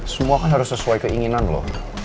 semua kan harus sesuai keinginan loh